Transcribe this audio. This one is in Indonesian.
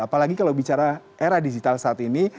apalagi kalau bicara era digital saat ini